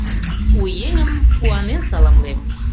— У еҥым куанен саламлем!